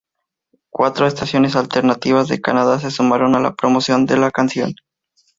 Cuatro estaciones alternativas de Canadá se sumaron a la promoción de la canción.